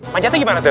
manjatnya gimana tuh